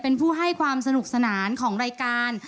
เป็นผู้ให้ความสนุกสนานของรายการ